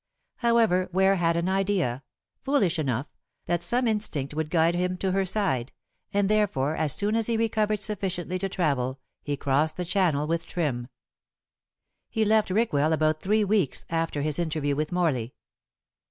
However, Ware had an idea foolish enough that some instinct would guide him to her side, and, therefore, as soon as he recovered sufficiently to travel he crossed the Channel with Trim. He left Rickwell about three weeks after his interview with Morley.